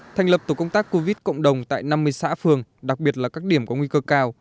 thành lập tổ công tác covid cộng đồng tại năm mươi xã phường đặc biệt là các điểm có nguy cơ cao